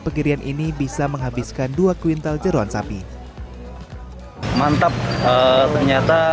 pegirian ini bisa menghabiskan dua kuintal jeruan sapi mantap ternyata